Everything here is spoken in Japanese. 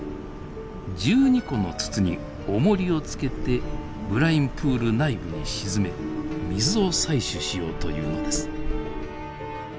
１２個の筒におもりを付けてブラインプール内部に沈め水を採取しようというのです。